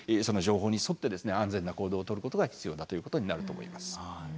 その情報に沿って安全な行動をとることが必要だということになると思います。